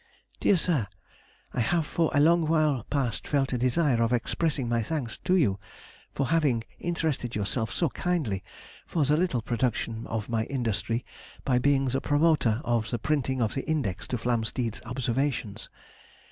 DEAR SIR,— I have for a long while past felt a desire of expressing my thanks to you for having interested yourself so kindly for the little production of my industry by being the promoter of the printing of the Index to Flamsteed's Observations.